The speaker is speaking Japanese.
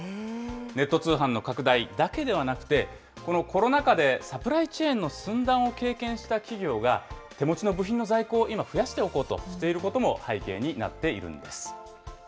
ネット通販の拡大だけではなくて、このコロナ禍でサプライチェーンの寸断を経験した企業が、手持ちの部品の在庫を今、増やしておこうとしていることも背景になっているんです。